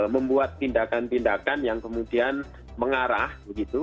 membuat tindakan tindakan yang kemudian mengarah begitu